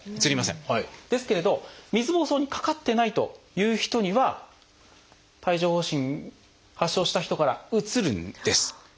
ですけれど水ぼうそうにかかってないという人には帯状疱疹発症した人からうつるんです。